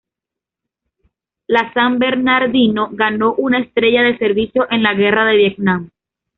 La San Bernardino ganó una estrella de servicio en la Guerra de Vietnam.